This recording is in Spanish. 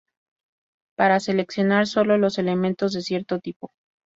Para seleccionar solo los elementos de cierto tipo.